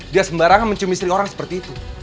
dia sembarangan mencium istri orang seperti itu